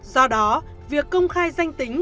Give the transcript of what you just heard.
do đó việc công khai danh tính